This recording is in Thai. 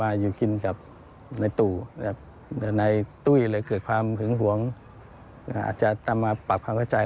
อาจจะไปตามมาปรับความเข้าใจ